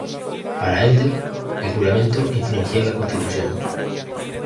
Para Ender, el juramento infringía la Constitución.